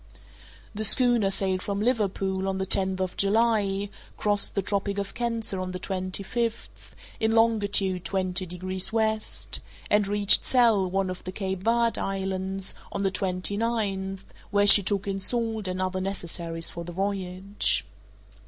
The schooner sailed from Liverpool on the tenth of July, crossed the Tropic of Cancer on the twenty fifth, in longitude twenty degrees west, and reached Sal, one of the Cape Verd islands, on the twenty ninth, where she took in salt and other necessaries for the voyage.